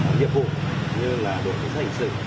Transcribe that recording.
nhiệm vụ như là đội xã hội xử